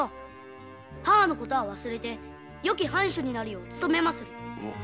母の事は忘れよき藩主になるよう勤めまする。